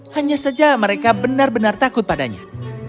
hanya saja mereka benar benar takut padanya